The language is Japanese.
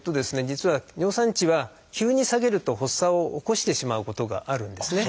実は尿酸値は急に下げると発作を起こしてしまうことがあるんですね。